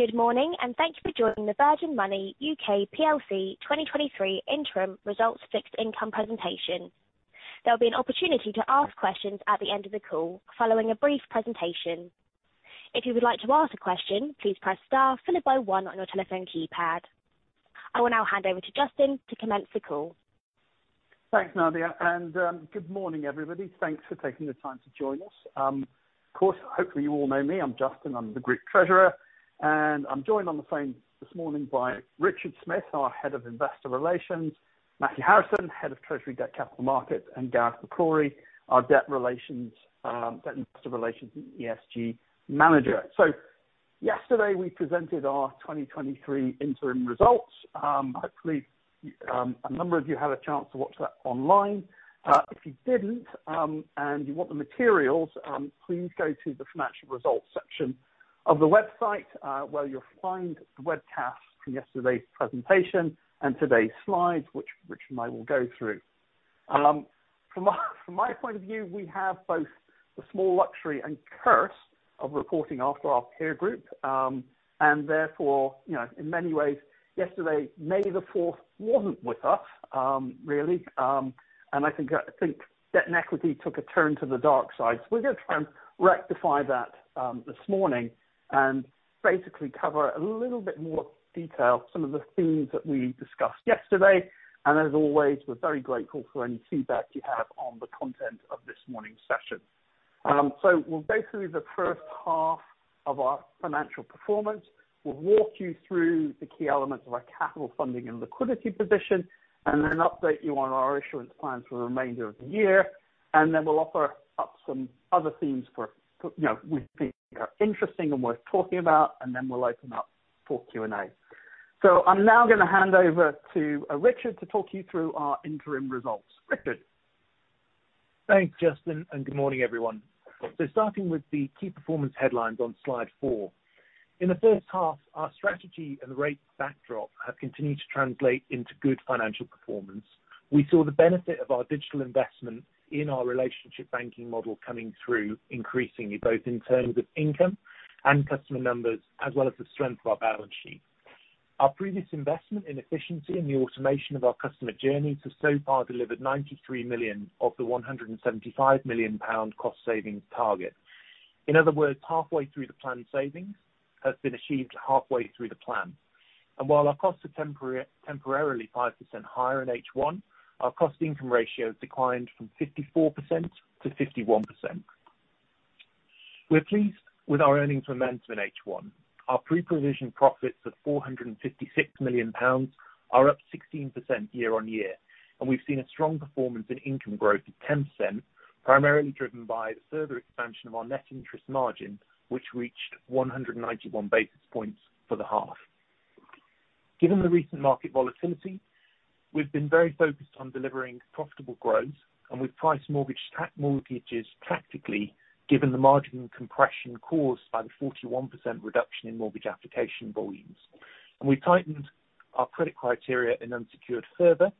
Good morning, thank you for joining the Virgin Money U.K. PLC 2023 interim results fixed income presentation. There'll be an opportunity to ask questions at the end of the call following a brief presentation. If you would like to ask a question, please press star followed by one on your telephone keypad. I will now hand over to Justin to commence the call. Thanks, Nadia. Good morning, everybody. Thanks for taking the time to join us. Of course, hopefully, you all know me. I'm Justin. I'm the Group Treasurer, and I'm joined on the phone this morning by Richard Smith, our Head of Investor Relations, Matthew Harrison, Head of Treasury Debt Capital Market, and Gareth McCrorie, our Debt Investor Relations ESG Manager. Yesterday, we presented our 2023 interim results. Hopefully, a number of you had a chance to watch that online. If you didn't, and you want the materials, please go to the Financial Results section of the website, where you'll find the webcast from yesterday's presentation and today's slides, which Richard and I will go through. From my point of view, we have both the small luxury and curse of reporting after our peer group. Therefore, you know, in many ways, yesterday, May the fourth wasn't with us, really. I think debt and equity took a turn to the dark side. We're gonna try and rectify that this morning and basically cover a little bit more detail some of the themes that we discussed yesterday. As always, we're very grateful for any feedback you have on the content of this morning's session. Well, basically the first half of our financial performance, we'll walk you through the key elements of our capital funding and liquidity position, and then update you on our issuance plans for the remainder of the year. Then we'll offer up some other themes for, you know, we think are interesting and worth talking about, and then we'll open up for Q&A. I'm now gonna hand over to Richard to talk you through our interim results. Richard. Thanks, Justin. Good morning, everyone. Starting with the key performance headlines on slide four. In the first half, our strategy and rate backdrop have continued to translate into good financial performance. We saw the benefit of our digital investment in our relationship banking model coming through increasingly, both in terms of income and customer numbers, as well as the strength of our balance sheet. Our previous investment in efficiency and the automation of our customer journeys has so far delivered 93 million of the 175 million pound cost savings target. In other words, halfway through the planned savings has been achieved halfway through the plan. While our costs are temporarily 5% higher in H1, our cost income ratio has declined from 54% to 51%. We're pleased with our earnings momentum in H1. Our pre-provision profits of 456 million pounds are up 16% year-on-year. We've seen a strong performance in income growth of 10%, primarily driven by the further expansion of our net interest margin, which reached 191 basis points for the half. Given the recent market volatility, we've been very focused on delivering profitable growth. With price mortgage, stack mortgages practically given the margin compression caused by the 41% reduction in mortgage application volumes. We tightened our credit criteria and unsecured further,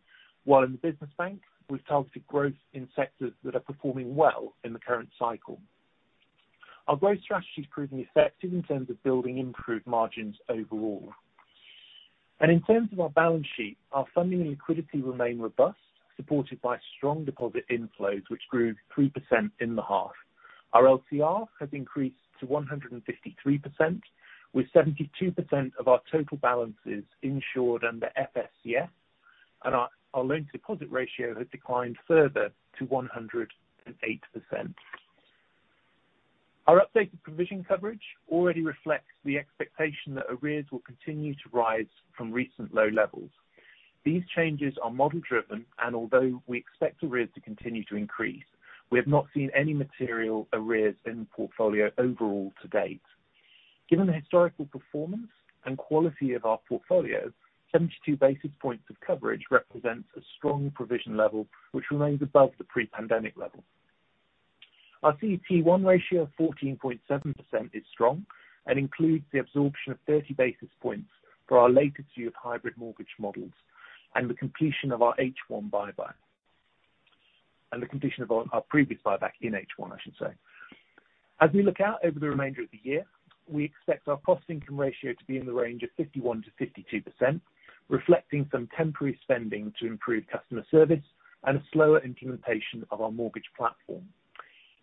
while in the business bank we've targeted growth in sectors that are performing well in the current cycle. Our growth strategy is proving effective in terms of building improved margins overall. In terms of our balance sheet, our funding and liquidity remain robust, supported by strong deposit inflows which grew 3% in the half. Our LCR has increased to 153%, with 72% of our total balances insured under FSCS. Our loan deposit ratio has declined further to 108%. Our updated provision coverage already reflects the expectation that arrears will continue to rise from recent low levels. These changes are model driven, and although we expect arrears to continue to increase, we have not seen any material arrears in the portfolio overall to date. Given the historical performance and quality of our portfolios, 72 basis points of coverage represents a strong provision level which remains above the pre-pandemic level. Our CET1 ratio of 14.7% is strong and includes the absorption of 30 basis points for our latest view of hybrid mortgage models and the completion of our H1 buy. The completion of our previous buyback in H1, I should say. As we look out over the remainder of the year, we expect our cost income ratio to be in the range of 51%-52%, reflecting some temporary spending to improve customer service and a slower implementation of our mortgage platform.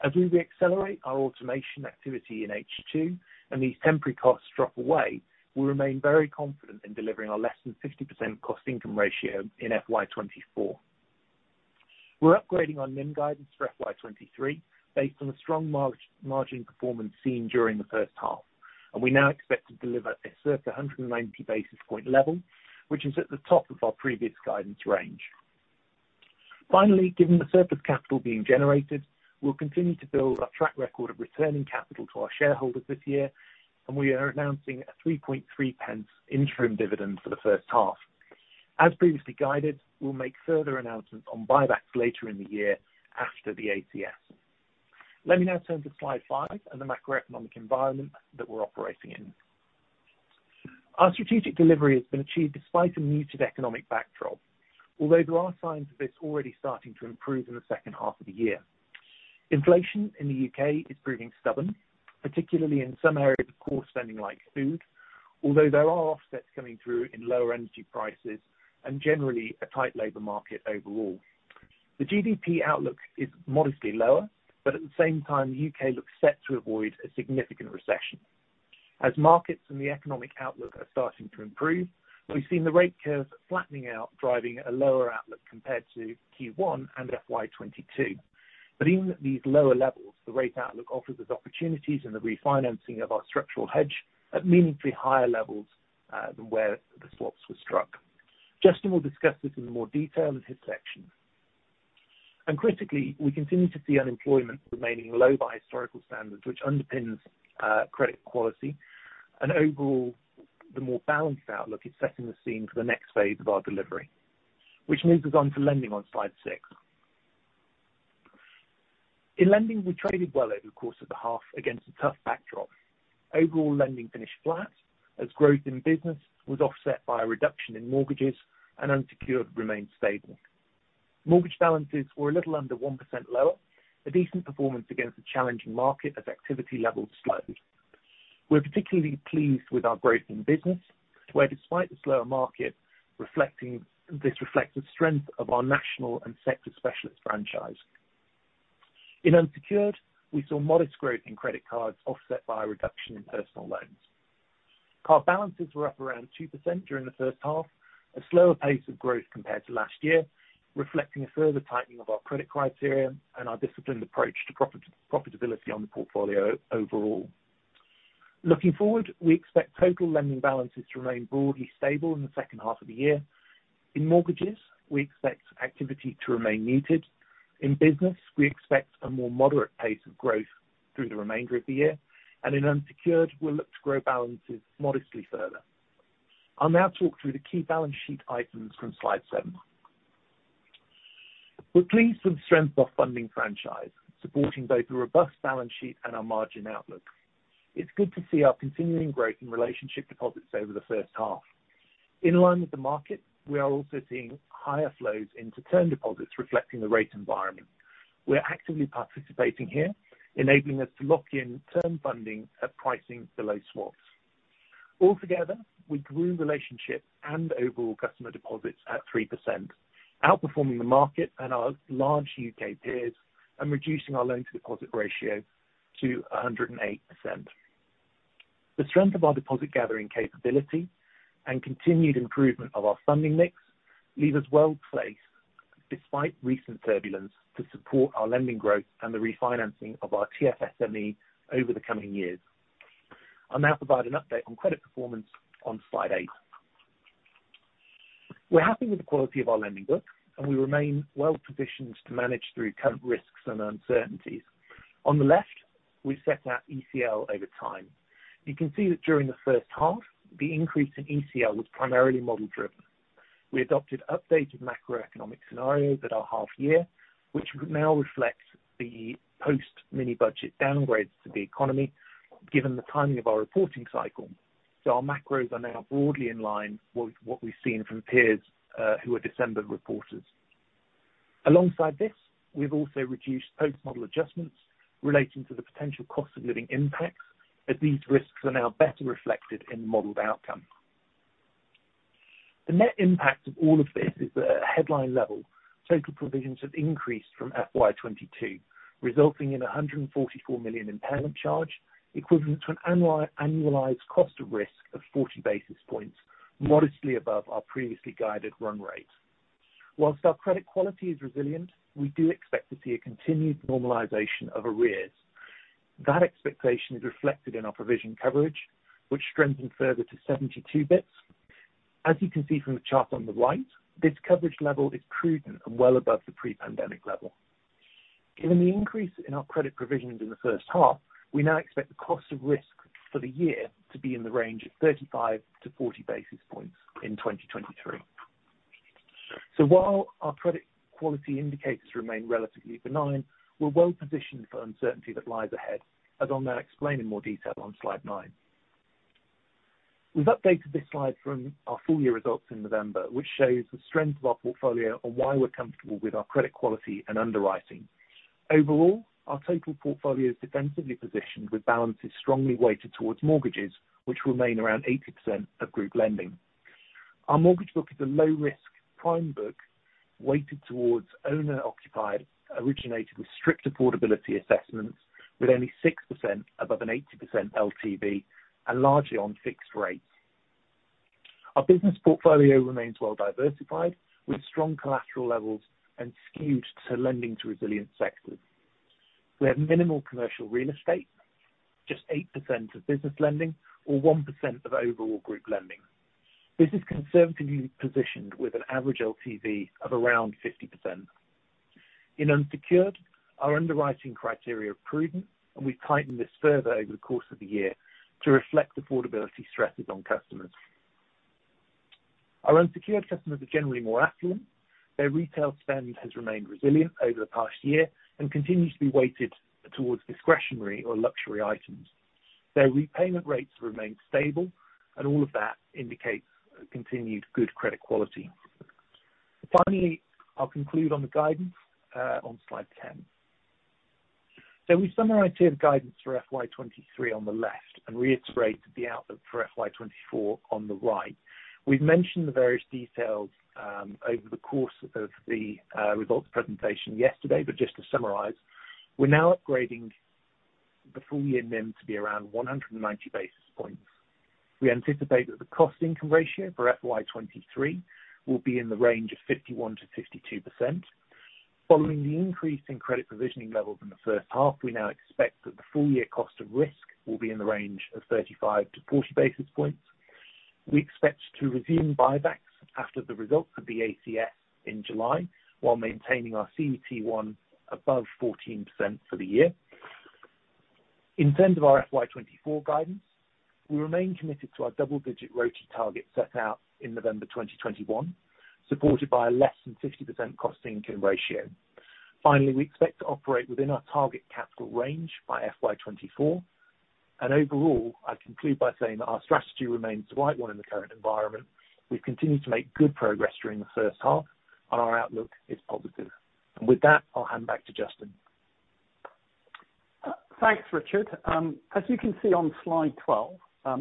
As we re-accelerate our automation activity in H2 and these temporary costs drop away, we remain very confident in delivering our less than 50% cost income ratio in FY 2024. We're upgrading our NIM guidance for FY 2023 based on the strong margin performance seen during the first half, and we now expect to deliver a circa 190 basis point level, which is at the top of our previous guidance range. Finally, given the surplus capital being generated, we'll continue to build our track record of returning capital to our shareholders this year, and we are announcing a 0.033 interim dividend for the first half. As previously guided, we'll make further announcements on buybacks later in the year after the ACS. Let me now turn to slide five and the macroeconomic environment that we're operating in. Our strategic delivery has been achieved despite a muted economic backdrop, although there are signs of this already starting to improve in the second half of the year. Inflation in the U.K. is proving stubborn, particularly in some areas of core spending like food. Although there are offsets coming through in lower energy prices and generally a tight labor market overall. The GDP outlook is modestly lower, but at the same time, the U.K. looks set to avoid a significant recession. As markets and the economic outlook are starting to improve, we've seen the rate curves flattening out, driving a lower outlook compared to Q1 and FY 2022. Even at these lower levels, the rate outlook offers us opportunities in the refinancing of our structural hedge at meaningfully higher levels than where the swaps were struck. Justin will discuss this in more detail in his section. Critically, we continue to see unemployment remaining low by historical standards, which underpins credit quality and overall the more balanced outlook is setting the scene for the next phase of our delivery, which moves us on to lending on slide six. In lending, we traded well over the course of the half against a tough backdrop. Overall lending finished flat as growth in business was offset by a reduction in mortgages and unsecured remained stable. Mortgage balances were a little under 1% lower, a decent performance against a challenging market as activity levels slowed. We're particularly pleased with our growth in business, where despite the slower market, this reflects the strength of our national and sector specialist franchise. In unsecured, we saw modest growth in credit cards offset by a reduction in personal loans. Card balances were up around 2% during the first half, a slower pace of growth compared to last year, reflecting a further tightening of our credit criteria and our disciplined approach to profitability on the portfolio overall. Looking forward, we expect total lending balances to remain broadly stable in the second half of the year. In mortgages, we expect activity to remain muted. In business, we expect a more moderate pace of growth through the remainder of the year. In unsecured, we'll look to grow balances modestly further. I'll now talk through the key balance sheet items from slide seven. We're pleased with the strength of our funding franchise, supporting both a robust balance sheet and our margin outlook. It's good to see our continuing growth in relationship deposits over the first half. In line with the market, we are also seeing higher flows into term deposits reflecting the rate environment. We are actively participating here, enabling us to lock in term funding at pricing below swaps. Altogether, we grew relationships and overall customer deposits at 3%, outperforming the market and our large U.K. peers and reducing our loan to deposit ratio to 108%. The strength of our deposit gathering capability and continued improvement of our funding mix leave us well placed despite recent turbulence, to support our lending growth and the refinancing of our TFSME over the coming years. I'll now provide an update on credit performance on slide eight. We're happy with the quality of our lending book, and we remain well positioned to manage through current risks and uncertainties. On the left, we set out ECL over time. You can see that during the first half, the increase in ECL was primarily model driven. We adopted updated macroeconomic scenarios at our half year, which now reflects the post Mini-Budget downgrades to the economy, given the timing of our reporting cycle. Our macros are now broadly in line with what we've seen from peers, who are December reporters. Alongside this, we've also reduced post-model adjustments relating to the potential cost of living impacts, as these risks are now better reflected in the modeled outcome. The net impact of all of this is that at headline level, total provisions have increased from FY 2022, resulting in a 144 million impairment charge, equivalent to an annualized cost of risk of 40 basis points, modestly above our previously guided run rate. Whilst our credit quality is resilient, we do expect to see a continued normalization of arrears. That expectation is reflected in our provision coverage, which strengthened further to 72 bits. As you can see from the chart on the right, this coverage level is prudent and well above the pre-pandemic level. Given the increase in our credit provisions in the first half, we now expect the cost of risk for the year to be in the range of 35-40 basis points in 2023. While our credit quality indicators remain relatively benign, we're well positioned for uncertainty that lies ahead, as I'll now explain in more detail on slide nine. We've updated this slide from our full year results in November, which shows the strength of our portfolio and why we're comfortable with our credit quality and underwriting. Overall, our total portfolio is defensively positioned with balances strongly weighted towards mortgages, which remain around 80% of group lending. Our mortgage book is a low risk prime book weighted towards owner occupied, originated with strict affordability assessments, with only 6% above an 80% LTV and largely on fixed rates. Our business portfolio remains well diversified, with strong collateral levels and skewed to lending to resilient sectors. We have minimal commercial real estate, just 8% of business lending or 1% of overall group lending. This is conservatively positioned with an average LTV of around 50%. In unsecured, our underwriting criteria are prudent, and we've tightened this further over the course of the year to reflect affordability stresses on customers. Our unsecured customers are generally more affluent. Their retail spend has remained resilient over the past year and continues to be weighted towards discretionary or luxury items. Their repayment rates remain stable, and all of that indicates continued good credit quality. Finally, I'll conclude on the guidance on slide 10. We summarize here the guidance for FY 2023 on the left and reiterate the outlook for FY 2024 on the right. We've mentioned the various details over the course of the results presentation yesterday. Just to summarize, we're now upgrading the full year NIM to be around 190 basis points. We anticipate that the cost income ratio for FY 2023 will be in the range of 51%-52%. Following the increase in credit provisioning levels in the first half, we now expect that the full year cost of risk will be in the range of 35-40 basis points. We expect to resume buybacks after the results of the ACS in July, while maintaining our CET1 above 14% for the year. In terms of our FY 2024 guidance, we remain committed to our double-digit ROTCE target set out in November 2021, supported by a less than 50% cost income ratio. Finally, we expect to operate within our target capital range by FY 2024. Overall, I conclude by saying that our strategy remains the right one in the current environment. We've continued to make good progress during the first half, and our outlook is positive. With that, I'll hand back to Justin. Thanks, Richard. As you can see on slide 12,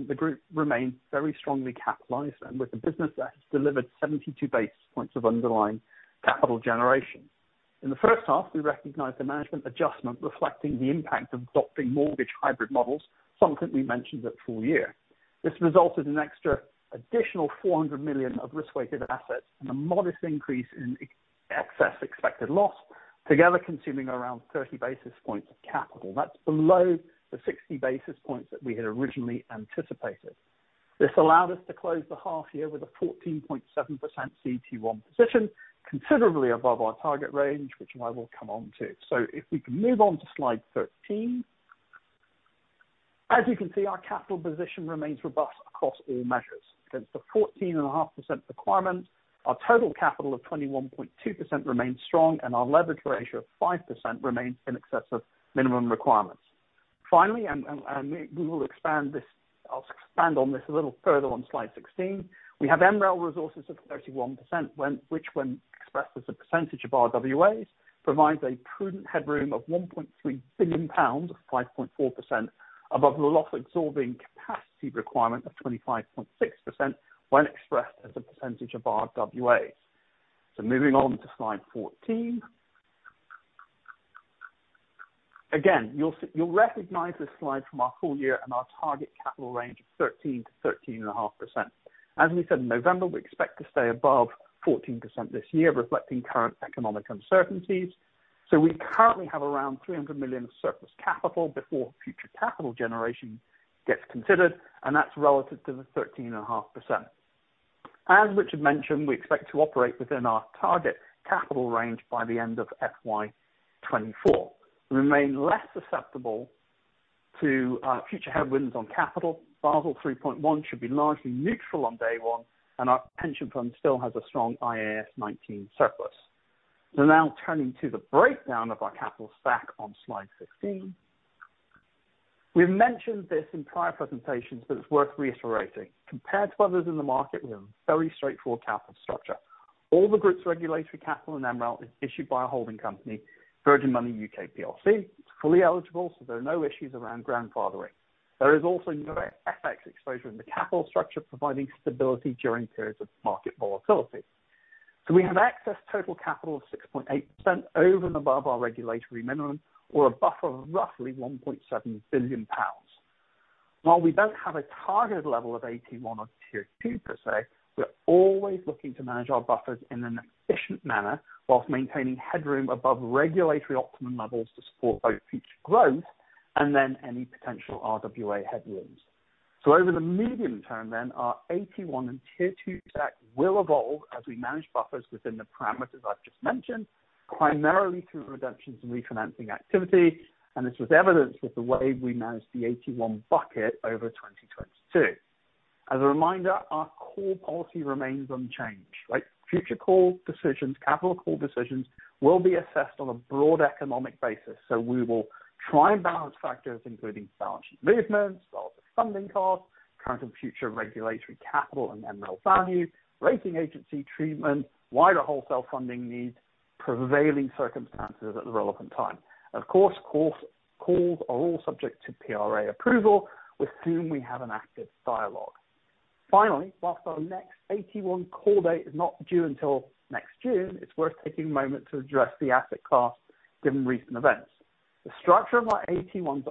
the group remains very strongly capitalized and with the business that has delivered 72 basis points of underlying capital generation. In the first half, we recognized a management adjustment reflecting the impact of adopting mortgage hybrid models, something we mentioned at full year. This resulted in an extra additional 400 million of risk-weighted assets and a modest increase in ex-excess expected loss, together consuming around 30 basis points of capital. That's below the 60 basis points that we had originally anticipated. This allowed us to close the half year with a 14.7% CET1 position, considerably above our target range, which I will come on to. If we can move on to slide 13. As you can see, our capital position remains robust across all measures. Against the 14.5% requirement, our total capital of 21.2% remains strong and our leverage ratio of 5% remains in excess of minimum requirements. Finally, I'll expand on this a little further on slide 16. We have MREL resources of 31%, which when expressed as a percentage of our RWAs, provides a prudent headroom of 1.3 billion pounds, 5.4% above the loss-absorbing capacity requirement of 25.6% when expressed as a percentage of our RWAs. Moving on to slide 14. Again, you'll recognize this slide from our full year and our target capital range of 13%-13.5%. As we said in November, we expect to stay above 14% this year, reflecting current economic uncertainties. We currently have around 300 million of surplus capital before future capital generation gets considered, and that's relative to the 13.5%. As Richard mentioned, we expect to operate within our target capital range by the end of FY 2024. We remain less susceptible to future headwinds on capital. Basel 3.1 should be largely neutral on day one, our pension fund still has a strong IAS 19 surplus. Now turning to the breakdown of our capital stack on slide 16. We've mentioned this in prior presentations, it's worth reiterating. Compared to others in the market, we have a very straightforward capital structure. All the group's regulatory capital and MREL is issued by a holding company, Virgin Money U.K. PLC. It's fully eligible, there are no issues around grandfathering. There is also no FX exposure in the capital structure, providing stability during periods of market volatility. We have excess total capital of 6.8% over and above our regulatory minimum or a buffer of roughly 1.7 billion pounds. While we don't have a target level of AT1 or Tier 2 per se, we're always looking to manage our buffers in an efficient manner whilst maintaining headroom above regulatory optimum levels to support both future growth and any potential RWA headwinds. Over the medium term, our AT1 and Tier 2 stack will evolve as we manage buffers within the parameters I've just mentioned, primarily through reductions in refinancing activity, and this was evidenced with the way we managed the AT1 bucket over 2022. As a reminder, our core policy remains unchanged. Like future core decisions, capital core decisions will be assessed on a broad economic basis. We will try and balance factors including balance sheet movements, relative funding costs, current and future regulatory capital and MREL value, rating agency treatment, wider wholesale funding needs, prevailing circumstances at the relevant time. Of course, cores are all subject to PRA approval with whom we have an active dialogue. Finally, whilst our next AT1 core date is not due until next June, it's worth taking a moment to address the asset class given recent events. The structure of our AT1s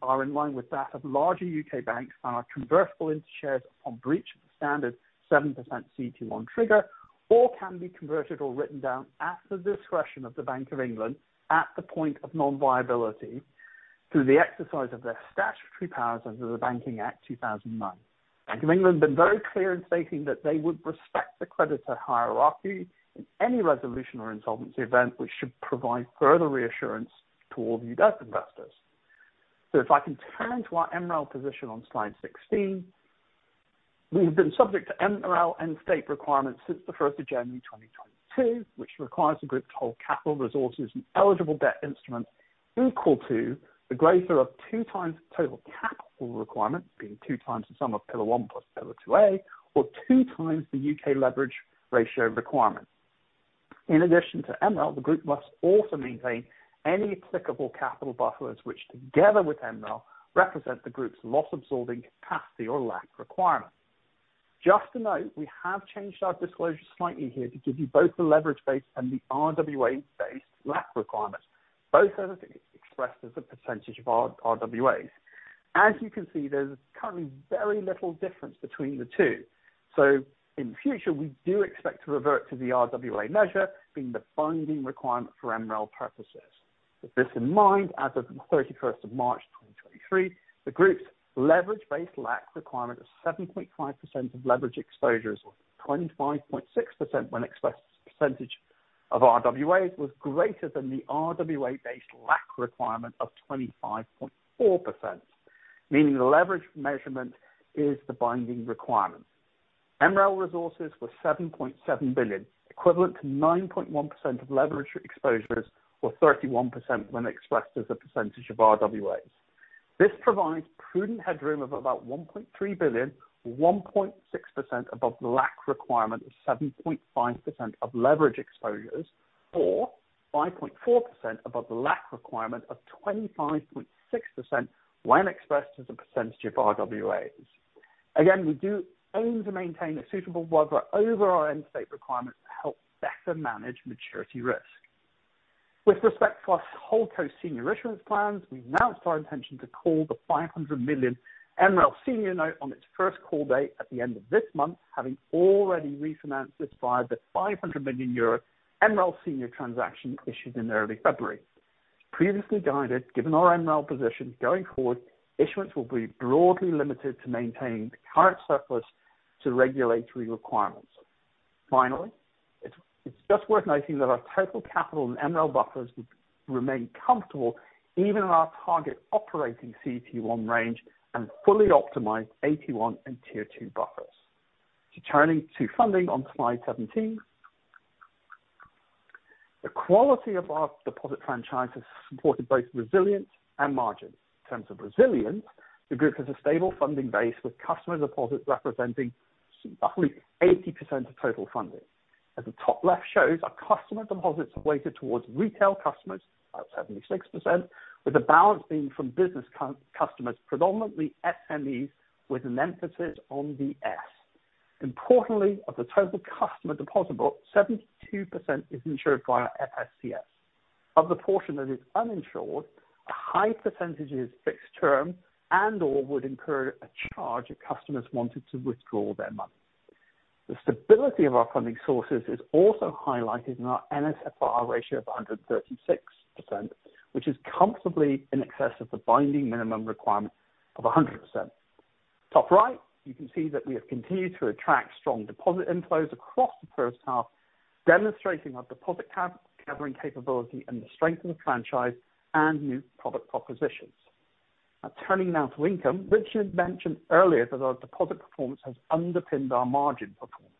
are in line with that of larger U.K. banks and are convertible into shares upon breach of the standard 7% CET1 trigger, or can be converted or written down at the discretion of the Bank of England at the point of non-viability through the exercise of their statutory powers under the Banking Act 2009. Bank of England have been very clear in stating that they would respect the credit to hierarchy in any resolution or insolvency event, which should provide further reassurance to all you debt investors. If I can turn to our MREL position on slide 16, we have been subject to MREL and state requirements since the 1st of January 2022, which requires the group to hold capital resources and eligible debt instruments equal to the greater of 2x total capital requirement, being 2x the sum of Pillar 1 plus Pillar 2A or 2x the U.K. leverage ratio requirement. In addition to MREL, the group must also maintain any applicable capital buffers, which together with MREL, represent the group's loss-absorbing capacity or LAC requirement. Just to note, we have changed our disclosure slightly here to give you both the leverage-based and the RWA-based LAC requirement. Both are expressed as a percentage of our RWAs. As you can see, there's currently very little difference between the two. In the future, we do expect to revert to the RWA measure being the binding requirement for MREL purposes. With this in mind, as of the 31st of March 2023, the group's leverage-based LAC requirement of 7.5% of leverage exposures, or 25.6% when expressed as a percentage of RWAs, was greater than the RWA-based LAC requirement of 25.4%, meaning the leverage measurement is the binding requirement. MREL resources were 7.7 billion, equivalent to 9.1% of leverage exposures or 31% when expressed as a percentage of RWAs. This provides prudent headroom of about 1.3 billion, or 1.6% above the LAC requirement of 7.5% of leverage exposures, or 5.4% above the LAC requirement of 25.6% when expressed as a percentage of RWAs. We do aim to maintain a suitable buffer over our end state requirements to help better manage maturity risk. With respect to our OpCo senior issuance plans, we've announced our intention to call the 500 million MREL senior note on its first call date at the end of this month, having already refinanced this via the 500 million euro MREL senior transaction issued in early February. Previously guided, given our MREL position going forward, issuance will be broadly limited to maintain the current surplus to regulatory requirements. Finally, it's just worth noting that our total capital and MREL buffers would remain comfortable even in our target operating CET1 range and fully optimized AT1 and Tier 2 buffers. Turning to funding on slide 17. The quality of our deposit franchise has supported both resilience and margins. In terms of resilience, the group has a stable funding base, with customer deposits representing roughly 80% of total funding. As the top left shows, our customer deposits are weighted towards retail customers, about 76%, with the balance being from business customers, predominantly SMEs with an emphasis on the S. Importantly, of the total customer deposit book, 72% is insured via FSCS. Of the portion that is uninsured, a high percentage is fixed term and or would incur a charge if customers wanted to withdraw their money. The stability of our funding sources is also highlighted in our NSFR ratio of 136%, which is comfortably in excess of the binding minimum requirement of 100%. Top right, you can see that we have continued to attract strong deposit inflows across the first half, demonstrating our deposit cap-gathering capability and the strength of the franchise and new product propositions. Now turning now to income. Richard mentioned earlier that our deposit performance has underpinned our margin performance.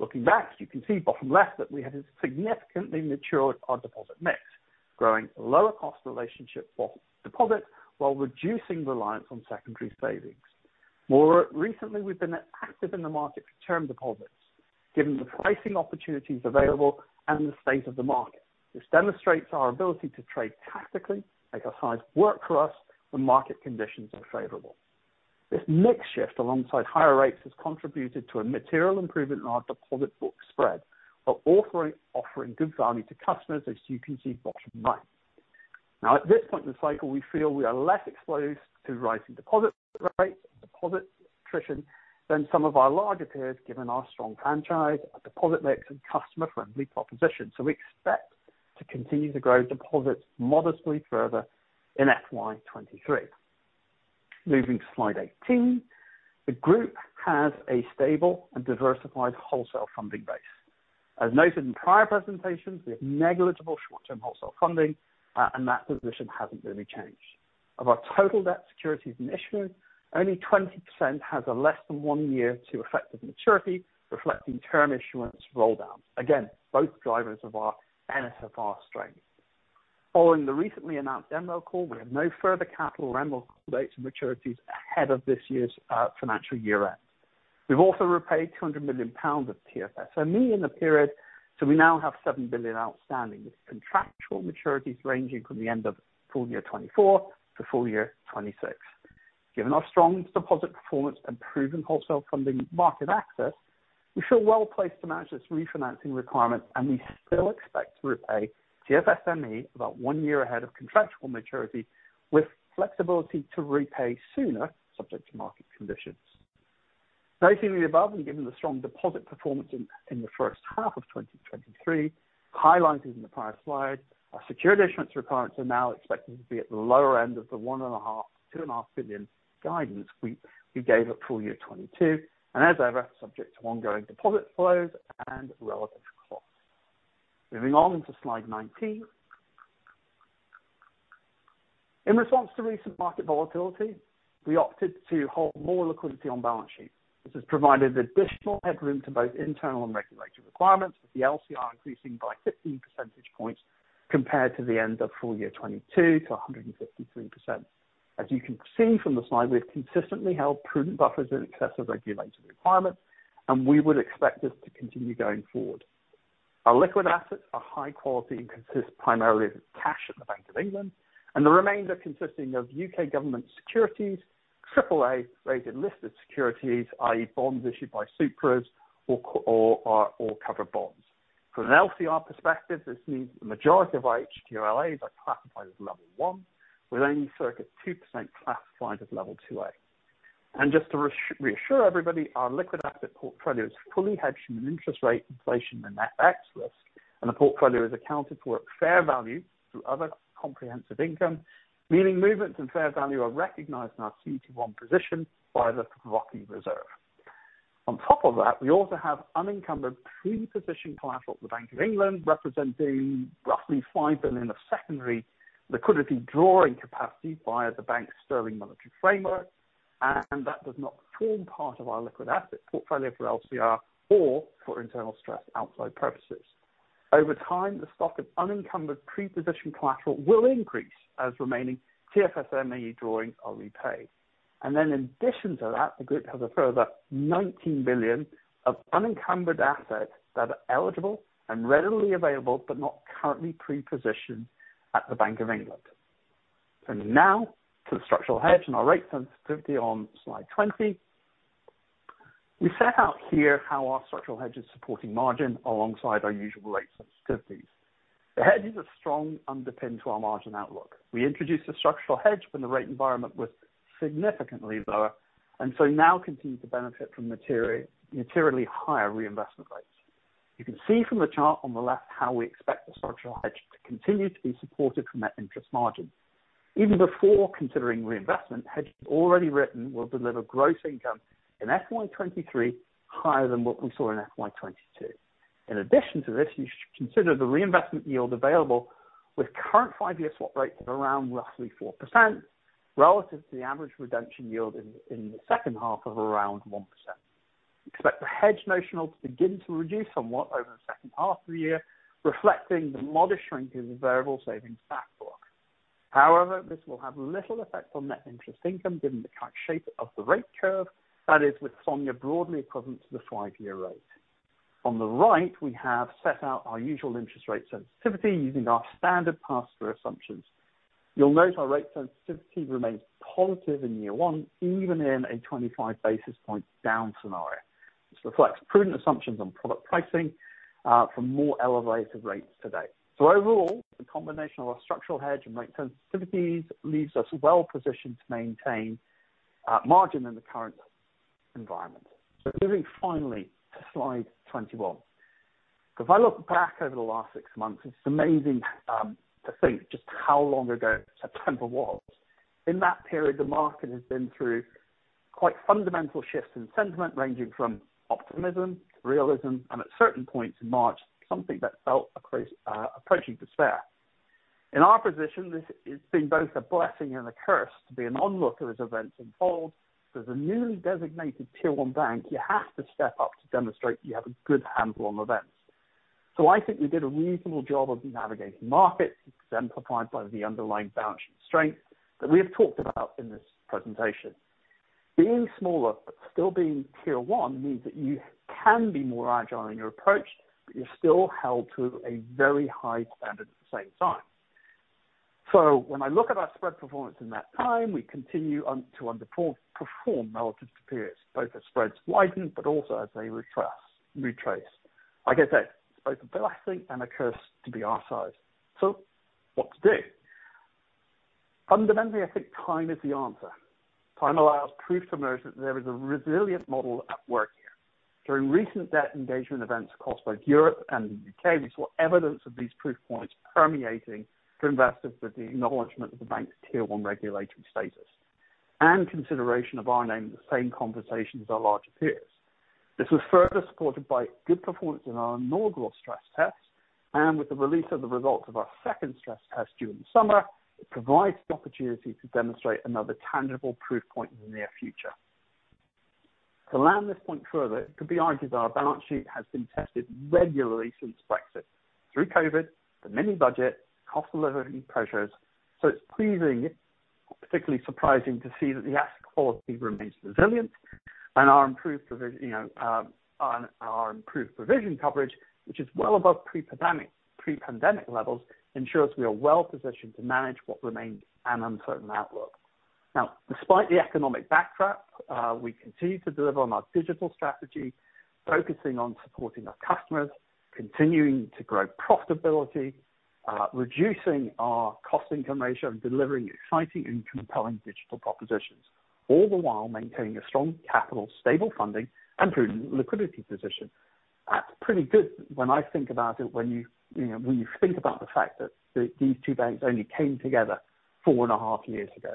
Looking back, you can see bottom left that we have significantly matured our deposit mix, growing lower cost relationship for deposits while reducing reliance on secondary savings. More recently, we've been active in the market for term deposits, given the pricing opportunities available and the state of the market. This demonstrates our ability to trade tactically, make our size work for us when market conditions are favorable. This mix shift, alongside higher rates, has contributed to a material improvement in our deposit book spread. While offering good value to customers, as you can see bottom right. At this point in the cycle, we feel we are less exposed to rising deposit rates and deposit attrition than some of our larger peers, given our strong franchise, our deposit mix and customer-friendly proposition. We expect to continue to grow deposits modestly further in FY 2023. Moving to slide 18. The group has a stable and diversified wholesale funding base. As noted in prior presentations, we have negligible short-term wholesale funding, and that position hasn't really changed. Of our total debt securities and issuance, only 20% has a less than one year to effective maturity, reflecting term issuance rolldowns. Again, both drivers of our NSFR strength. Following the recently announced MREL call, we have no further capital MREL call dates and maturities ahead of this year's financial year-end. We've also repaid 200 million pounds of TFSME in the period, so we now have 7 billion outstanding, with contractual maturities ranging from the end of full year 2024 to full year 2026. Given our strong deposit performance and proven wholesale funding market access, we feel well placed to manage this refinancing requirement, and we still expect to repay TFSME about one year ahead of contractual maturity, with flexibility to repay sooner subject to market conditions. Noticing the above, given the strong deposit performance in the first half of 2023 highlighted in the prior slide, our security issuance requirements are now expected to be at the lower end of the 1.5 billion-2.5 billion guidance we gave at full year 2022. As ever, subject to ongoing deposit flows and relevant costs. Moving on to slide 19. In response to recent market volatility, we opted to hold more liquidity on balance sheet. This has provided additional headroom to both internal and regulatory requirements, with the LCR increasing by 15 percentage points compared to the end of full year 2022 to 153%. As you can see from the slide, we've consistently held prudent buffers in excess of regulatory requirements, and we would expect this to continue going forward. Our liquid assets are high quality and consist primarily of cash at the Bank of England, and the remainder consisting of U.K. government securities, AAA rated listed securities, i.e. bonds issued by Supras or cover bonds. From an LCR perspective, this means the majority of our HQLAs are classified as level one, with only circa 2% classified as level 2A. Just to reassure everybody, our liquid asset portfolio is fully hedged from an interest rate inflation and net X risk, and the portfolio is accounted for at fair value through other comprehensive income, meaning movements in fair value are recognized in our CET1 position by the FVOCI reserve. On top of that, we also have unencumbered pre-positioned collateral at the Bank of England, representing roughly 5 billion of secondary liquidity drawing capacity via the Bank's Sterling Monetary Framework. That does not form part of our liquid asset portfolio for LCR or for internal stress outside purposes. Over time, the stock of unencumbered pre-positioned collateral will increase as remaining TFSME drawings are repaid. In addition to that, the group has a further 19 billion of unencumbered assets that are eligible and readily available but not currently pre-positioned at the Bank of England. Turning now to the structural hedge and our rate sensitivity on slide 20. We set out here how our structural hedge is supporting margin alongside our usual rate sensitivities. The hedge is a strong underpin to our margin outlook. We introduced a structural hedge when the rate environment was significantly lower, now continue to benefit from materially higher reinvestment rates. You can see from the chart on the left how we expect the structural hedge to continue to be supported from net interest margin. Even before considering reinvestment, hedge already written will deliver gross income in FY 2023 higher than what we saw in FY 2022. In addition to this, you should consider the reinvestment yield available with current five-year swap rates of around roughly 4% relative to the average redemption yield in the second half of around 1%. Expect the hedge notional to begin to reduce somewhat over the second half of the year, reflecting the modest shrink in the variable savings stock. However, this will have little effect on net interest income given the current shape of the rate curve, that is with SONIA broadly equivalent to the five-year rate. On the right, we have set out our usual interest rate sensitivity using our standard pass-through assumptions. You'll note our rate sensitivity remains positive in year one, even in a 25 basis point down scenario. This reflects prudent assumptions on product pricing from more elevated rates today. Overall, the combination of our structural hedge and rate sensitivities leaves us well positioned to maintain margin in the current environment. Turning finally to slide 21. If I look back over the last six months, it's amazing to think just how long ago September was. In that period, the market has been through quite fundamental shifts in sentiment ranging from optimism, realism, and at certain points in March, something that felt approaching despair. In our position, this has been both a blessing and a curse to be an onlooker as events unfold. As a newly designated Tier 1 bank, you have to step up to demonstrate you have a good handle on events. I think we did a reasonable job of navigating markets, exemplified by the underlying balance sheet strength that we have talked about in this presentation. Being smaller but still being Tier 1 means that you can be more agile in your approach, but you're still held to a very high standard at the same time. When I look at our spread performance in that time, we continue on, to underperform relative to periods, both as spreads widen but also as they retrace. Like I say, it's both a blessing and a curse to be our size. What to do? Fundamentally, I think time is the answer. Time allows proof to emerge that there is a resilient model at work here. During recent debt engagement events across both Europe and the U.K., we saw evidence of these proof points permeating to investors with the acknowledgement of the bank's Tier 1 regulatory status and consideration of our name in the same conversations as our larger peers. This was further supported by good performance in our inaugural stress tests, and with the release of the results of our second stress test during the summer, it provides the opportunity to demonstrate another tangible proof point in the near future. To land this point further, it could be argued our balance sheet has been tested regularly since Brexit, through Covid, the mini budget, cost of living pressures. It's pleasing, particularly surprising to see that the asset quality remains resilient and our improved provision coverage, which is well above pre-pandemic levels, ensures we are well positioned to manage what remains an uncertain outlook. Despite the economic backdrop, we continue to deliver on our digital strategy, focusing on supporting our customers, continuing to grow profitability, reducing our cost income ratio, and delivering exciting and compelling digital propositions, all the while maintaining a strong capital, stable funding and prudent liquidity position. That's pretty good when I think about it, when you know, when you think about the fact that these two banks only came together four and a half years ago.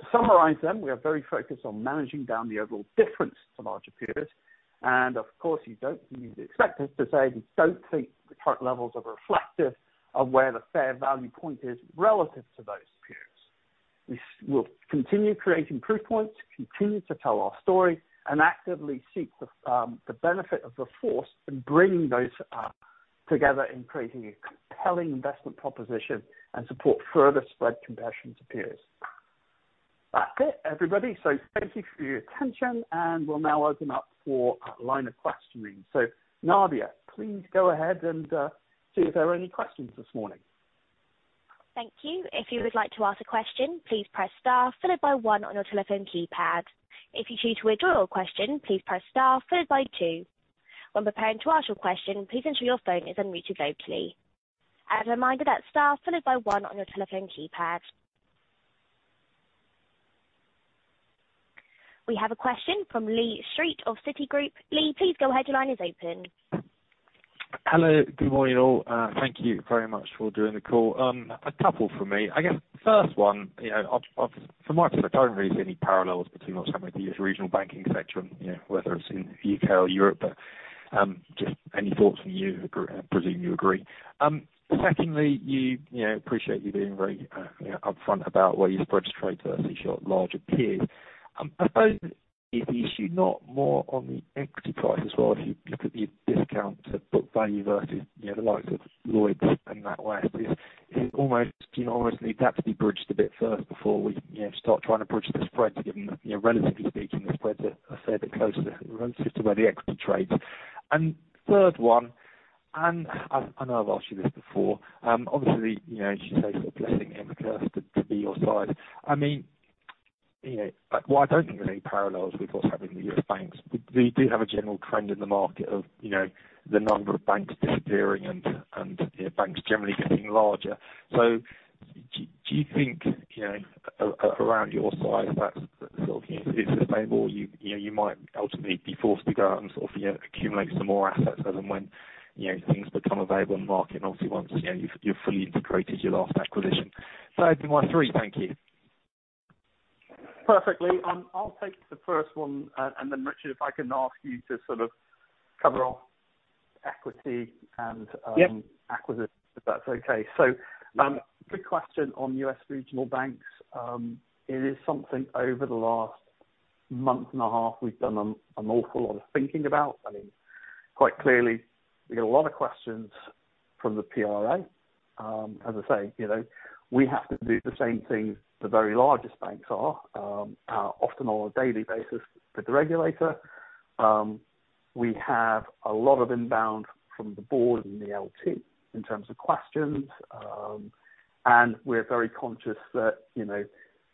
To summarize, we are very focused on managing down the overall difference to larger peers. Of course, you don't need to expect us to say we don't think the current levels are reflective of where the fair value point is relative to those peers. We will continue creating proof points, continue to tell our story, and actively seek the benefit of the force in bringing those together in creating a compelling investment proposition and support further spread compressions appears. That's it, everybody. Thank you for your attention, and we'll now open up for a line of questioning. Nadia, please go ahead and see if there are any questions this morning. Thank you. If you would like to ask a question, please press star followed by one on your telephone keypad. If you choose to withdraw your question, please press star followed by two. When preparing to ask your question, please ensure your phone is unmuted locally. As a reminder, that's star followed by one on your telephone keypad. We have a question from Lee Street of Citigroup. Lee, please go ahead. Your line is open. Hello. Good morning, all. Thank you very much for doing the call. A couple from me. I guess the first one, you know, I'll from my perspective, I don't really see any parallels between what's happening in the U.S. regional banking sector and, you know, whether it's in U.K. or Europe. Just any thoughts from you? I presume you agree. Secondly, you know, appreciate you being very, you know, upfront about where you spread your trade versus your larger peers. I suppose is the issue not more on the equity price as well, if you could be discount to book value versus, you know, the likes of Lloyds and NatWest? Is it almost, you know, almost needs that to be bridged a bit first before we, you know, start trying to bridge the spread to give them, you know, relatively speaking, the spread to a fair bit closer to where the equity trades. Third one, and I know I've asked you this before. Obviously, you know, as you say, it's a blessing and a curse to be your size. I mean, you know, while I don't think there are any parallels with what's happening in the U.S. banks, we do have a general trend in the market of, you know, the number of banks disappearing and, you know, banks generally getting larger. Do you think, you know, around your size that's sort of is sustainable? You, you know, you might ultimately be forced to go out and sort of, you know, accumulate some more assets as and when, you know, things become available in the market, and obviously once, you know, you've fully integrated your last acquisition. Those are my three. Thank you. Perfect, Lee. I'll take the first one, and then Richard, if I can ask you to sort of cover off equity and- Yeah. -acquisitions, if that's okay. Good question on U.S. regional banks. It is something over the last month and a half we've done an awful lot of thinking about. I mean, quite clearly, we get a lot of questions from the PRA. As I say, you know, we have to do the same thing the very largest banks are often on a daily basis with the regulator. We have a lot of inbound from the board and the LT in terms of questions. We're very conscious that, you know,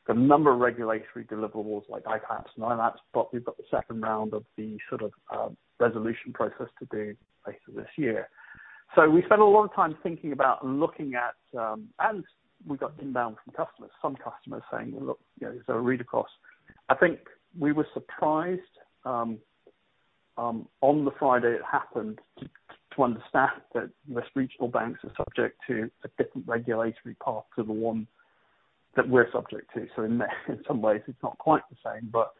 the number of regulatory deliverables like ICAAP and ILAAP, but we've got the 2nd round of the sort of resolution process to do later this year. We spent a lot of time thinking about and looking at... We got inbound from customers, some customers saying, "Well, look, you know, is there a read-across?" I think we were surprised on the Friday it happened to understand that U.S. regional banks are subject to a different regulatory path to the one that we're subject to. In some ways, it's not quite the same, but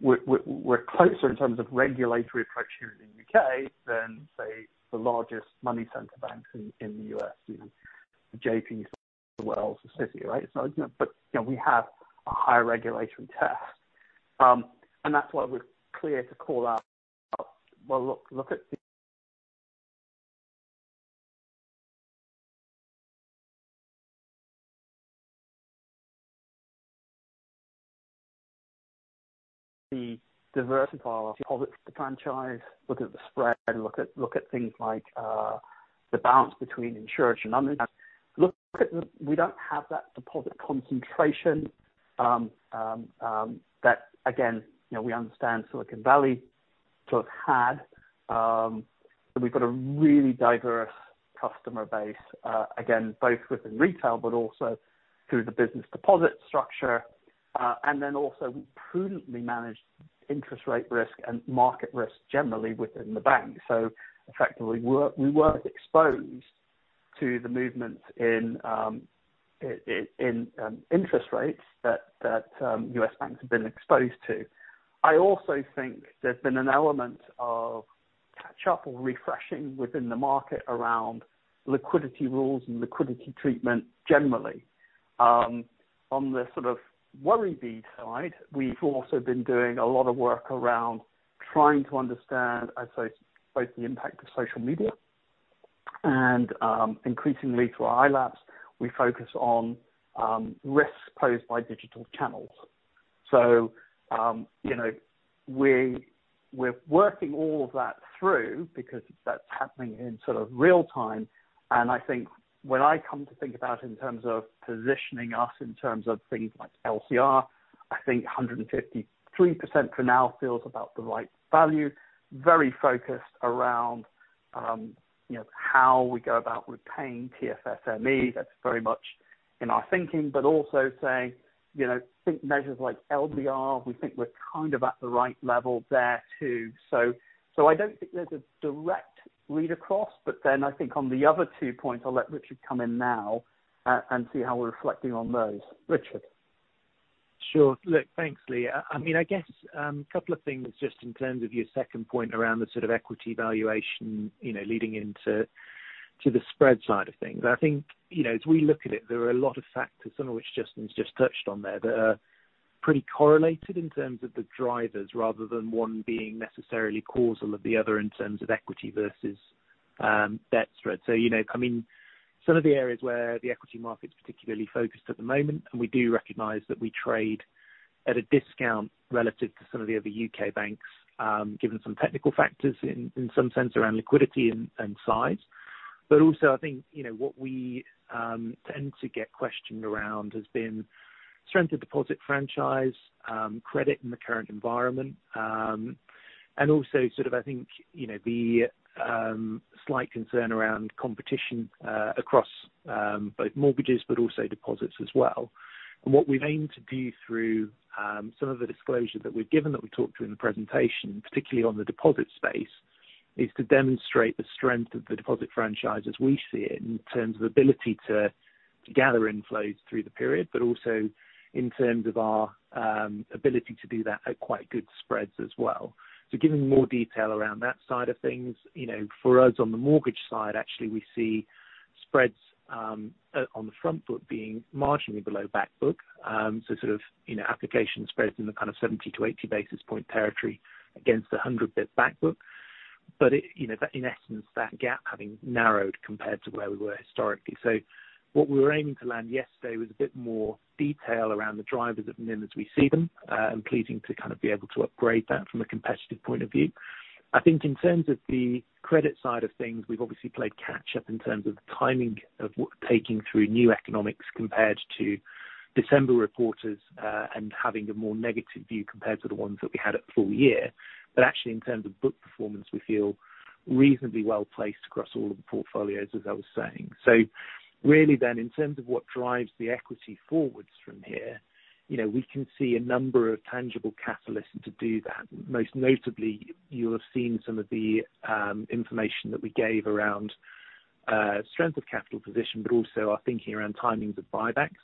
we're closer in terms of regulatory approach here in the U.K. than, say, the largest money center banks in the U.S., you know, JP, Wells, or Citi, right? You know, but, you know, we have a higher regulatory test. That's why we're clear to call out, well, look at the diversify our deposits, the franchise, look at the spread, look at, look at things like the balance between insurance and uninsured. Look at the... We don't have that deposit concentration, you know, we understand Silicon Valley sort of had. We've got a really diverse customer base, again, both within retail but also through the business deposit structure. Then also we prudently managed interest rate risk and market risk generally within the bank. Effectively we weren't exposed to the movements in interest rates that U.S. banks have been exposed to. I also think there's been an element of catch up or refreshing within the market around liquidity rules and liquidity treatment generally. On the sort of worry bead side, we've also been doing a lot of work around trying to understand, I'd say, both the impact of social media and increasingly through our ILAAP, we focus on risks posed by digital channels. You know, we're working all of that through because that's happening in sort of real time. I think when I come to think about in terms of positioning us in terms of things like LCR, I think 153% for now feels about the right value. Very focused around, you know, how we go about repaying TFSME. That's very much in our thinking. Also saying, you know, think measures like LDR, we think we're kind of at the right level there too. I don't think there's a direct read-across. I think on the other two points, I'll let Richard come in now, and see how we're reflecting on those. Richard? Sure. Look, thanks, Lee. I mean, I guess, couple of things just in terms of your second point around the sort of equity valuation, you know, leading into the spread side of things. I think, you know, as we look at it, there are a lot of factors, some of which Justin's just touched on there, that are pretty correlated in terms of the drivers rather than one being necessarily causal of the other in terms of equity versus debt spread. You know, I mean, some of the areas where the equity market's particularly focused at the moment, and we do recognize that we trade at a discount relative to some of the other U.K. banks, given some technical factors in some sense around liquidity and size. Also I think, you know, what we tend to get questioned around has been strength of deposit franchise, credit in the current environment. Also sort of, I think, you know, the slight concern around competition across both mortgages but also deposits as well. What we've aimed to do through some of the disclosure that we've given, that we talked through in the presentation, particularly on the deposit space, is to demonstrate the strength of the deposit franchise as we see it in terms of ability to gather inflows through the period, but also in terms of our ability to do that at quite good spreads as well. Giving more detail around that side of things, you know, for us on the mortgage side, actually we see spreads on the front book being marginally below back book. Sort of, you know, application spreads in the kind of 70 to 80 basis point territory against a 100 bit back book. It, you know, that in essence, that gap having narrowed compared to where we were historically. What we were aiming to land yesterday was a bit more detail around the drivers of NIM as we see them, and pleasing to kind of be able to upgrade that from a competitive point of view. I think in terms of the credit side of things, we've obviously played catch up in terms of the timing of taking through new economics compared to December reporters, and having a more negative view compared to the ones that we had at full year. Actually in terms of book performance, we feel reasonably well-placed across all of the portfolios, as I was saying. Really then, in terms of what drives the equity forwards from here, you know, we can see a number of tangible catalysts to do that. Most notably, you'll have seen some of the information that we gave around strength of capital position, but also our thinking around timings of buybacks.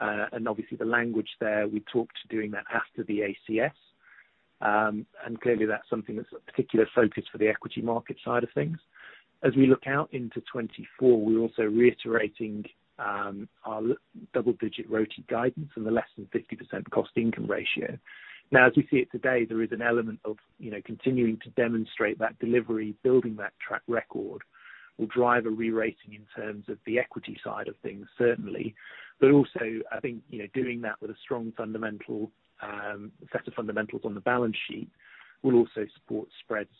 Obviously the language there, we talked to doing that after the ACS. Clearly that's something that's a particular focus for the equity market side of things. As we look out into 2024, we're also reiterating our double-digit ROTE guidance and the less than 50% cost income ratio. Now, as we see it today, there is an element of, you know, continuing to demonstrate that delivery, building that track record will drive a rerating in terms of the equity side of things, certainly. Also, I think, you know, doing that with a strong fundamental set of fundamentals on the balance sheet will also support spreads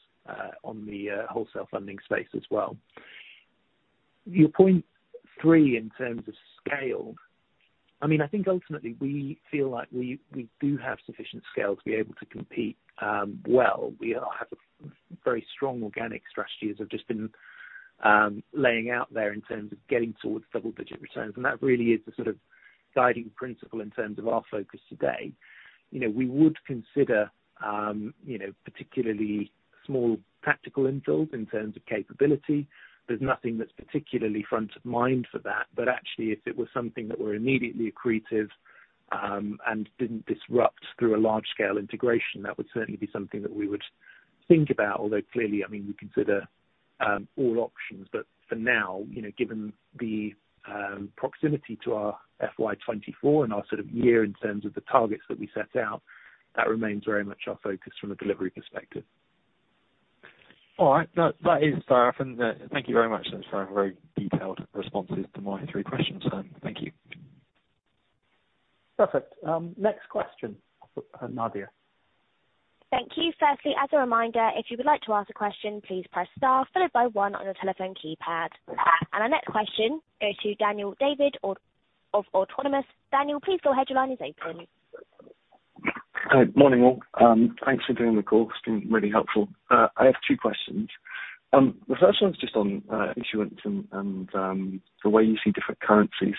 on the wholesale funding space as well. Your point three in terms of scale, I mean, I think ultimately we feel like we do have sufficient scale to be able to compete well. We have very strong organic strategies, have just been laying out there in terms of getting towards double-digit returns, and that really is the sort of guiding principle in terms of our focus today. You know, we would consider, you know, particularly small tactical insults in terms of capability. There's nothing that's particularly front of mind for that. Actually if it was something that were immediately accretive, and didn't disrupt through a large-scale integration, that would certainly be something that we would think about. Clearly, I mean, we consider all options, but for now, you know, given the proximity to our FY 2024 and our sort of year in terms of the targets that we set out, that remains very much our focus from a delivery perspective. All right. No, that is fair often. Thank you very much. Those are very detailed responses to my three questions. Thank you. Perfect. next question. Nadia. Thank you. Firstly, as a reminder, if you would like to ask a question, please press star followed by one on your telephone keypad. Our next question goes to Daniel David of Autonomous. Daniel, please go ahead. Your line is open. Hi. Morning, all. Thanks for doing the call. It's been really helpful. I have two questions. The first one's just on issuance and the way you see different currencies.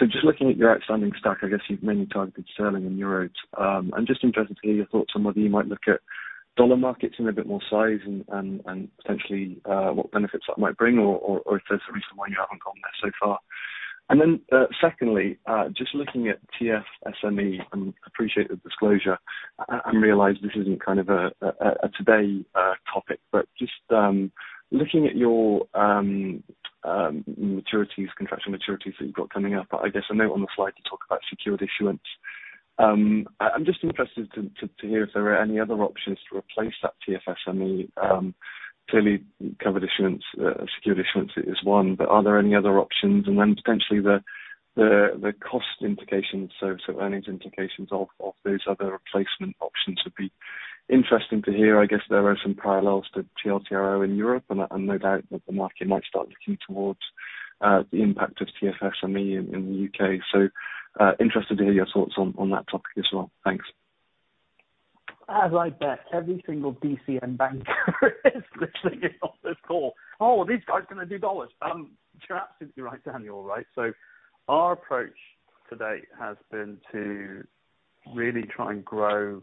Just looking at your outstanding stack, I guess you've mainly targeted sterling and euros. I'm just interested to hear your thoughts on whether you might look at dollar markets in a bit more size and potentially what benefits that might bring or if there's a reason why you haven't gone there so far. Secondly, just looking at TFSME and appreciate the disclosure. And realize this isn't kind of a today topic, but just looking at your maturities, contractual maturities that you've got coming up, I guess a note on the slide to talk about secured issuance. I'm just interested to hear if there are any other options to replace that TFSME, clearly covered issuance, secured issuance is one, but are there any other options? Then potentially the cost implications, earnings implications of those other replacement options would be interesting to hear. I guess there are some parallels to TLTRO in Europe and no doubt that the market might start looking towards the impact of TFSME in the U.K. Interested to hear your thoughts on that topic as well. Thanks. As I bet every single DCM banker is literally on this call. "Oh, are these guys gonna do dollars?" You're absolutely right, Daniel, right? Our approach to date has been to really try and grow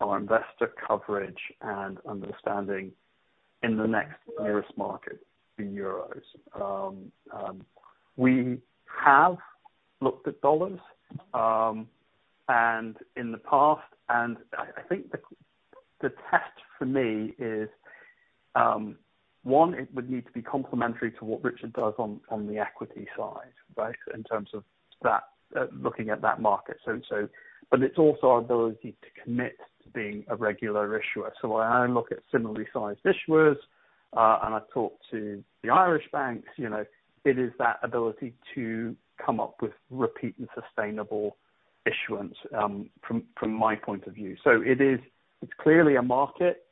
our investor coverage. In the next nearest market, in euros. We have looked at dollars, and in the past, and I think the test for me is, one, it would need to be complementary to what Richard does on the equity side, right? In terms of that, looking at that market. It's also our ability to commit to being a regular issuer. When I look at similarly sized issuers, and I talk to the Irish banks, you know, it is that ability to come up with repeat and sustainable issuance, from my point of view. It's clearly a market,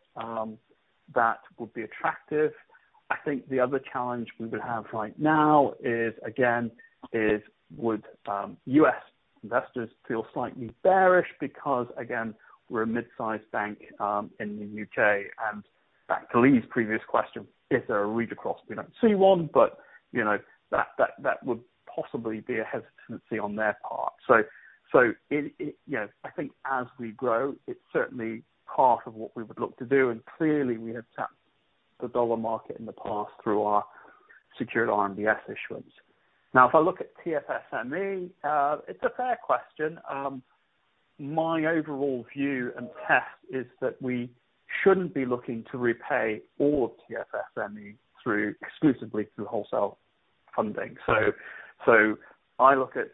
that would be attractive. I think the other challenge we would have right now is, again, would U.S. investors feel slightly bearish because, again, we're a mid-sized bank, in the U.K. Back to Lee's previous question, is there a read across? We don't see one, you know, that would possibly be a hesitancy on their part. You know, I think as we grow, it's certainly part of what we would look to do. Clearly we have tapped the dollar market in the past through our secured RMBS issuance. If I look at TFSME, it's a fair question. My overall view and test is that we shouldn't be looking to repay all TFSME through, exclusively through wholesale funding. I look at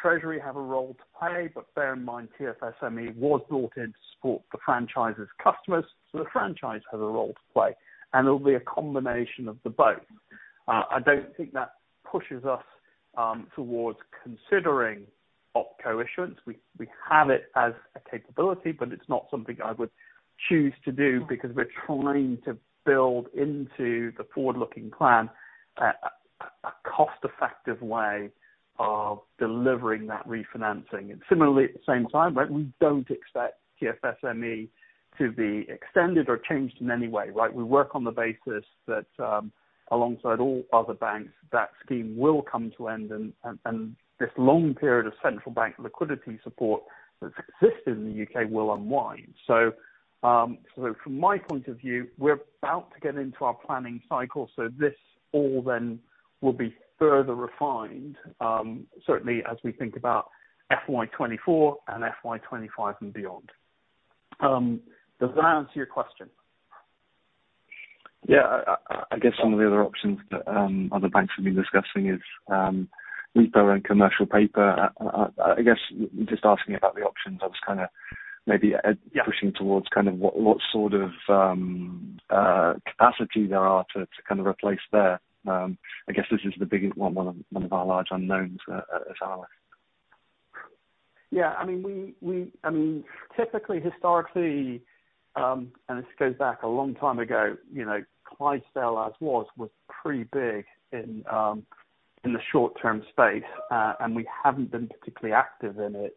Treasury have a role to play, but bear in mind, TFSME was brought in to support the franchise's customers, so the franchise has a role to play, and it'll be a combination of the both. I don't think that pushes us towards considering opco issuance. We have it as a capability, but it's not something I would choose to do because we're trying to build into the forward-looking plan a cost-effective way of delivering that refinancing. Similarly, at the same time, right, we don't expect TFSME to be extended or changed in any way, right. We work on the basis that, alongside all other banks, that scheme will come to end and this long period of central bank liquidity support that's existed in the U.K. will unwind. From my point of view, we're about to get into our planning cycle, so this all then will be further refined, certainly as we think about FY 2024 and FY 2025 and beyond. Does that answer your question? Yeah. I guess some of the other options that other banks have been discussing is repo and commercial paper. I guess just asking about the options, I was kinda- Yeah. -pushing towards kind of what sort of capacity there are to kind of replace there. I guess this is the big one of our large unknowns as analysts. Yeah. I mean, we typically historically, this goes back a long time ago, you know, Clydesdale as was pretty big in the short-term space, and we haven't been particularly active in it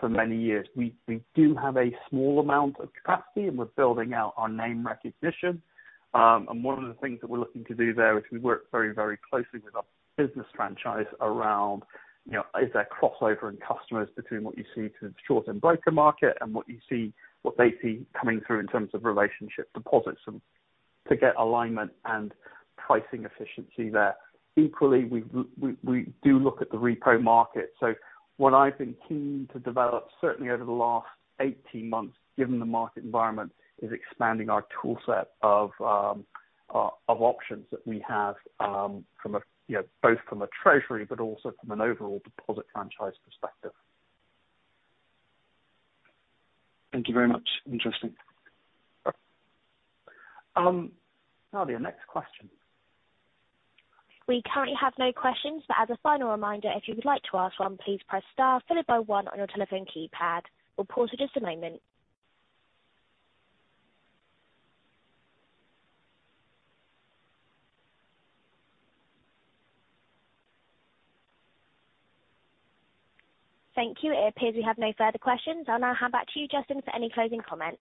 for many years. We do have a small amount of capacity, and we're building out our name recognition. One of the things that we're looking to do there is we work very, very closely with our business franchise around, you know, is there crossover in customers between what you see to the short-term broker market and what you see, what they see coming through in terms of relationship deposits and to get alignment and pricing efficiency there. Equally, we do look at the repo market. What I've been keen to develop, certainly over the last 18 months, given the market environment, is expanding our tool set of options that we have, from a, you know, both from a treasury but also from an overall deposit franchise perspective. Thank you very much. Interesting. Nadia, next question. We currently have no questions. As a final reminder, if you would like to ask one, please press star followed by one on your telephone keypad. We'll pause for just a moment. Thank you. It appears we have no further questions. I'll now hand back to you, Justin, for any closing comments.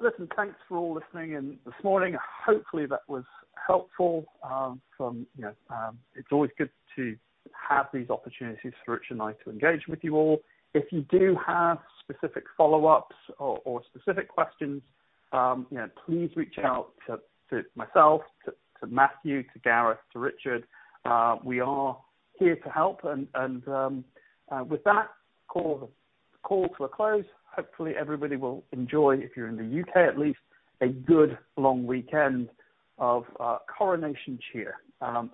Listen, thanks for all listening in this morning. Hopefully, that was helpful. From, you know, it's always good to have these opportunities for Rich and I to engage with you all. If you do have specific follow-ups or specific questions, you know, please reach out to myself, to Matthew, to Gareth, to Richard. We are here to help. With that, call to a close. Hopefully, everybody will enjoy, if you're in the U.K., at least, a good long weekend of coronation cheer.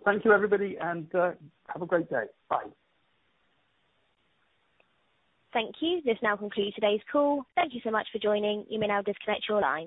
Thank you everybody, and have a great day. Bye. Thank you. This now concludes today's call. Thank you so much for joining. You may now disconnect your line.